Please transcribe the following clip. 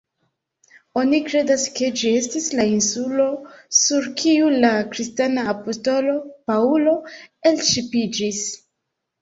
Oni kredas ke ĝi estis la insulo sur kiu la kristana apostolo Paŭlo elŝipiĝis.